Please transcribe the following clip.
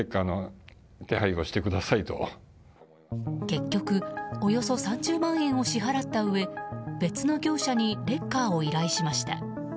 結局およそ３０万円を支払ったうえ別の業者にレッカーを依頼しました。